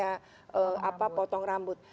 ya apa potong rambut